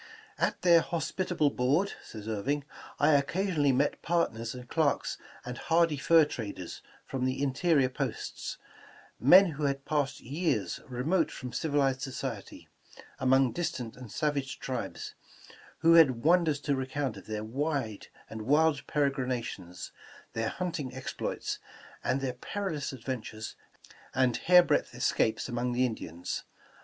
"At their hospitable board," says Irving, "I occasionally met partners and clerks and hardy fur traders from the interior posts; men who had passed years remote from civilized society, among distant and savage tribes, who had wonders to recount of their wide and wild peregrinations, their hunting exploits, 286 Writing Astoria and their perilous adventures and hair breadth escapes among the Indians.